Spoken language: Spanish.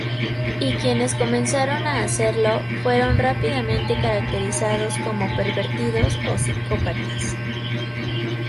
Y quienes comenzaron a hacerlo, fueron rápidamente caracterizados como pervertidos o psicópatas.